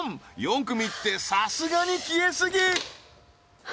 ４組ってさすがに消えすぎ！